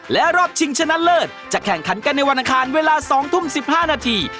และรอบชิงชนะเลิศจะแข่งขันกันในวันอังคารเวลา๒ทุ่ม๑๕นาที